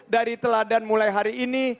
dari teladan mulai hari ini